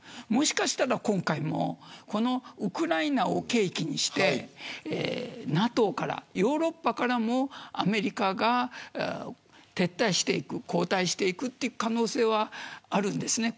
もしかしたら今回もこのウクライナを契機としてＮＡＴＯから、ヨーロッパからもアメリカが撤退していく後退していく可能性もあるんです。